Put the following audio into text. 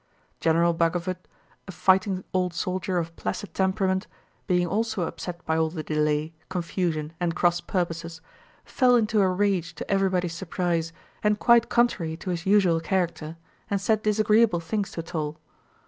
General Bagovút, a fighting old soldier of placid temperament, being also upset by all the delay, confusion, and cross purposes, fell into a rage to everybody's surprise and quite contrary to his usual character and said disagreeable things to Toll.